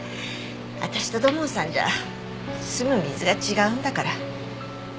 私と土門さんじゃすむ水が違うんだから。